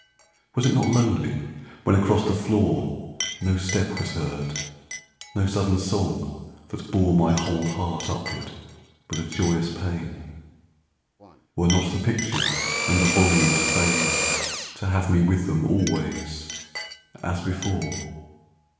Was it not lonely when across the floor No step was heard, no sudden song that bore My whole heart upward with a joyous pain? Were not the pictures and the volumes fain To have me with them always as before?